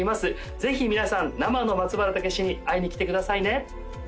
ぜひ皆さん生の松原健之に会いに来てくださいね